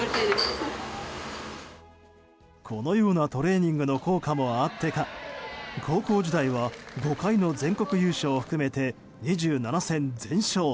このようなトレーニングの効果もあってか高校時代は５回の全国優勝を含めて２７戦全勝。